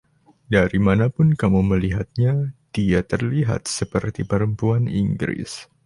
Dari manapun kamu melihatnya, dia terlihat seperti perempuan Inggris.